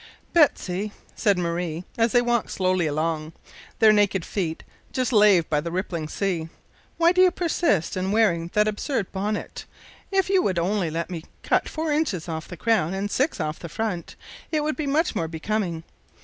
"Betsy," said Marie, as they walked slowly along, their naked feet just laved by the rippling sea, "why do you persist in wearing that absurd bonnet? If you would only let me cut four inches off the crown and six off the front, it would be much more becoming.